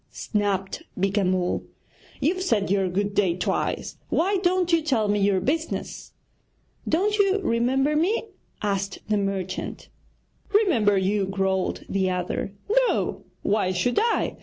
snapped Beeka Mull; 'you've said your "good day" twice, why don't you tell me your business?' 'Don't you remember me?' asked the merchant. 'Remember you?' growled the other; 'no, why should I?